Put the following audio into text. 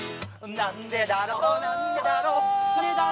「なんでだなんでだろう」